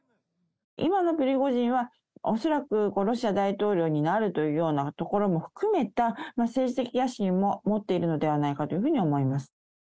今のプリゴジンは、恐らくロシア大統領になるというような含めた政治的野心も持っているのではないかというふうには思います。